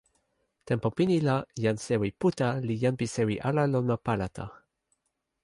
tenpo pini la jan sewi Puta li jan pi sewi ala lon ma Palata.